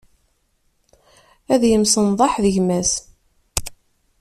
Ad yemsenḍaḥ d gma-s.